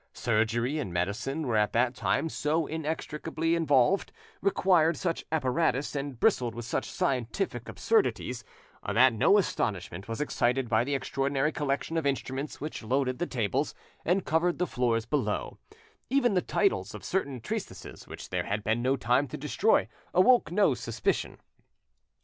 Surgery and medicine were at that time so inextricably involved, required such apparatus, and bristled with such scientific absurdities, that no astonishment was excited by the extraordinary collection of instruments which loaded the tables and covered the floors below: even the titles of certain treatises which there had been no time to destroy, awoke no suspicion.